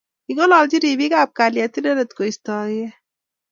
King'ololji Ripik ab Kalyet inendet Koistokei